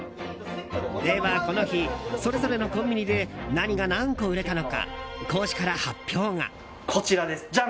ではこの日それぞれのコンビニで何が何個売れたのか講師から発表が。